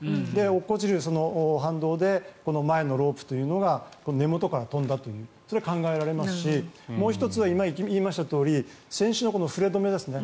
落っこちるその反動で前のロープというのが根元から飛んだというそれが考えられますしもう１つは今言いましたように船首の振れ止めですね。